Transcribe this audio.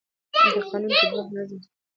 د قانون تطبیق نظم ساتي